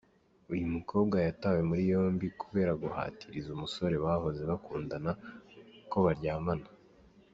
Uyu mukobwa yatawe muri yombi kubera guhatiriza umusore bahoze bakundana ko baryamana.